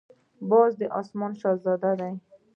باز د آسمان شهزاده دی